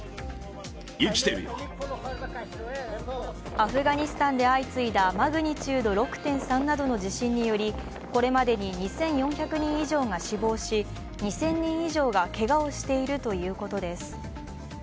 アフガニスタンで相次いだマグニチュード６．３の地震によりこれまでに２４００人以上が死亡し、２０００人以上がけがをしているということです。